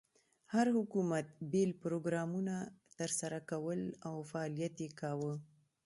هر حکومت بېل پروګرامونه تر سره کول او فعالیت یې کاوه.